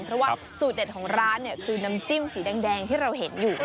เพราะว่าสูตรเด็ดของร้านเนี่ยคือน้ำจิ้มสีแดงที่เราเห็นอยู่